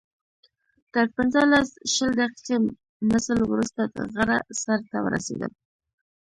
تر پنځلس، شل دقیقې مزل وروسته د غره سر ته ورسېدم.